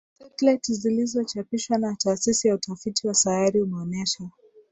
satelite zilizochapishwa na taasisi ya utafiti wa sayari umeonesha